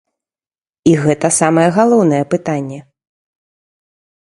І гэта самае галоўнае пытанне!